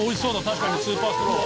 確かにスーパースロー。